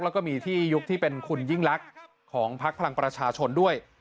แล้วก็มีที่ยุคที่เป็นคุณยิ่งลักษณ์ของพักพลังประชาชนด้วย